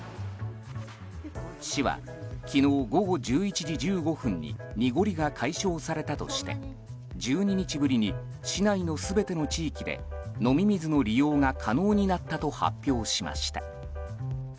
市は昨日午後１１時１５分に濁りが解消されたとして１２日ぶりに市内の全ての地域で飲み水の利用が可能になったと発表しました。